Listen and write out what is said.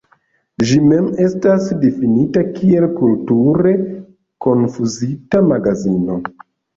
Ĝi mem estas difinita kiel "kulture konfuzita magazino".